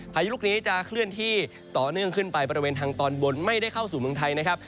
พายุลูกนี้จะเคลื่อนที่ต่อเนื่องขึ้นไปบริเวณทางตอนบนไม่ได้เข้าสู่เมืองไทยนะครับ